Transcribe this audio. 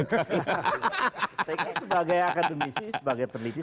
saya kira sebagai akademisi sebagai peneliti